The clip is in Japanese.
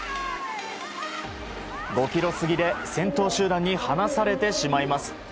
５キロ過ぎで先頭集団に離されてしまいます。